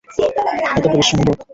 এতো পরিশ্রমী লোক।